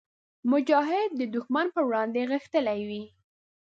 مجاهد د ښمن پر وړاندې غښتلی وي.